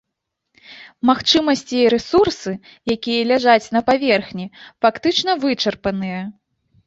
Магчымасці і рэсурсы, якія ляжаць на паверхні, фактычна вычарпаныя.